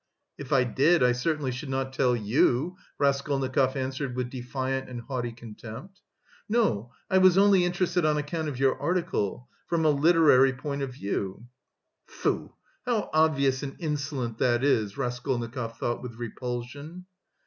"If I did I certainly should not tell you," Raskolnikov answered with defiant and haughty contempt. "No, I was only interested on account of your article, from a literary point of view..." "Foo! how obvious and insolent that is!" Raskolnikov thought with repulsion.